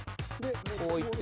こういって。